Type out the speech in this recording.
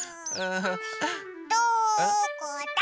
・どこだ？